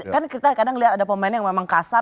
kan kita kadang lihat ada pemain yang memang kasar